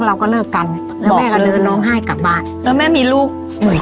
แล้วแม่มีลูกเหมือนคน